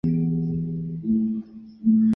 梁中庸初仕北凉段业。